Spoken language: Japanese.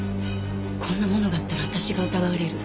こんなものがあったら私が疑われる。